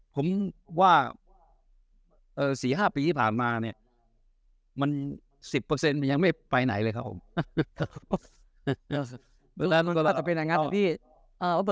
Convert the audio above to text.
ผมว่าสี่ห้าปีที่ผ่านมาเนี่ยมัน๑๐ยังไม่ไปไหนเลยครับ